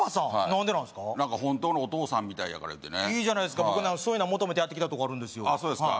何か本当のお父さんみたいやから言うてねいいじゃないですかそういうの求めてやってきたところあるんでそうですか